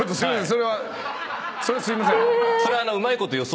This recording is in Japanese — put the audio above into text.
それはそれはすいません。